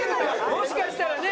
もしかしたらね